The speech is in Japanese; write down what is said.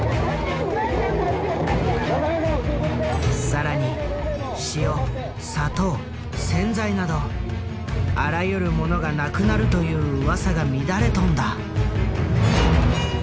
更に塩砂糖洗剤などあらゆるものがなくなるといううわさが乱れ飛んだ。